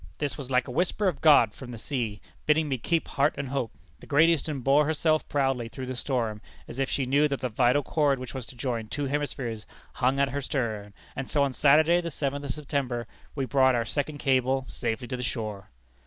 This was like a whisper of God from the sea, bidding me keep heart and hope. The Great Eastern bore herself proudly through the storm, as if she knew that the vital cord which was to join two hemispheres, hung at her stern; and so on Saturday, the seventh of September, we brought our second cable safely to the shore."